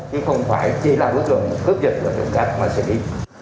chứ không phải chỉ là bước gần cướp dịch và trộm cắp mà xử lý